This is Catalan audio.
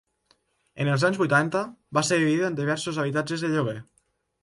En els anys vuitanta va ser dividida en diversos habitatges de lloguer.